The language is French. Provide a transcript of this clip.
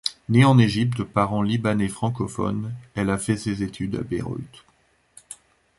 Née en Égypte de parents libanais francophones, elle a fait ses études à Beyrouth.